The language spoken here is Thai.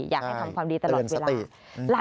อยากให้ทำความดีตลอดเวลาและเตือนสติ